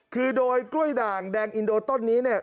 คือโดยกล้วยด่างแดงอินโดต้นนี้เนี่ย